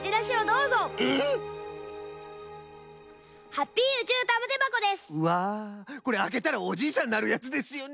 うわあこれあけたらおじいさんになるやつですよね。